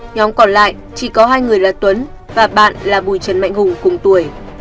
nhóm còn lại chỉ có hai người là tuấn và bạn là bùi trần mạnh hùng cùng tuổi